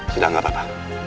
sudah gak apa apa